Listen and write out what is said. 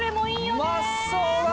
うまそうだな。